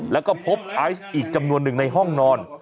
แล้วก็พบไอซ์อีกจำนวนหนึ่งในห้องนอน